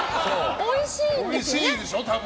おいしいでしょ、多分。